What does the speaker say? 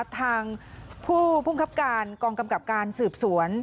ทางผู้ภูมิคับการกองกำกับการสืบสวน